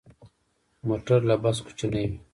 موټر له بس کوچنی وي.